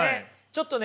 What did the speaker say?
ちょっとね